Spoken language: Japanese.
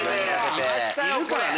いるからね